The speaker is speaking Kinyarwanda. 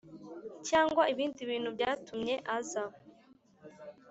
cyangwa ibindi bintu byatumye aza